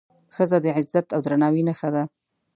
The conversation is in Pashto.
ښځه د عزت او درناوي نښه ده.